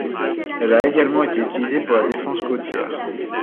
Elle a également été utilisé pour la défense côtière.